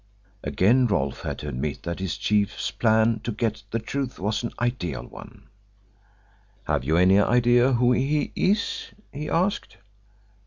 Again Rolfe had to admit that his chief's plan to get at the truth was an ideal one. "Have you any idea who he is?" he asked.